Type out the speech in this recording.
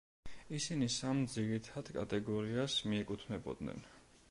ისინი სამ ძირითად კატეგორიას მიეკუთვნებოდნენ.